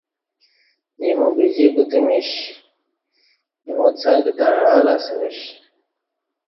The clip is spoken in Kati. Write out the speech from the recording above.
ایمو گجی کُوتہ مِیش اِیمو څک تݩع الہ اسمِش کہ